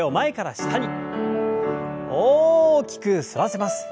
大きく反らせます。